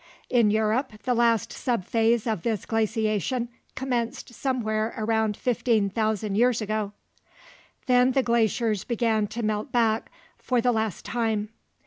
In Europe the last sub phase of this glaciation commenced somewhere around 15,000 years ago. Then the glaciers began to melt back, for the last time.